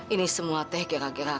ini semua teh gara gara